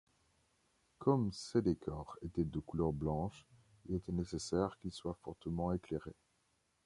Comme ces décors étaient de couleur blanche, il était nécessaire qu'ils soient fortement éclairés.